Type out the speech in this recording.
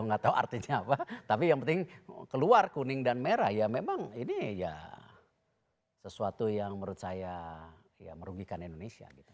nggak tahu artinya apa tapi yang penting keluar kuning dan merah ya memang ini ya sesuatu yang menurut saya ya merugikan indonesia gitu